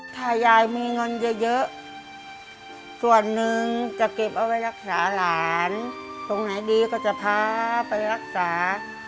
ถ้ายายมีเงินเยอะส่วนหนึ่งจะเก็บเอาไว้รักษาหลานตรงไหนดีก็จะพาไปรักษา